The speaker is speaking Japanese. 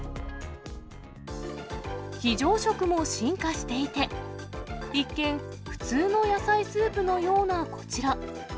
非常食も進化していて、一見、普通の野菜スープのようなこちら。